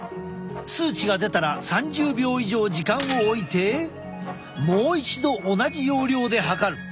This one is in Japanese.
数値が出たら３０秒以上時間をおいてもう一度同じ要領で測る。